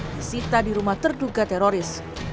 disita di rumah terduga teroris